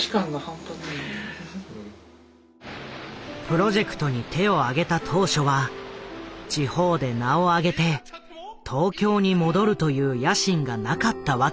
プロジェクトに手を挙げた当初は地方で名を上げて東京に戻るという野心がなかったわけではない。